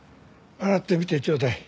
洗ってみてちょうだい。